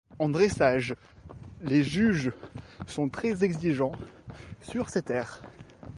En dressage, les juges sont très exigeants sur cet air.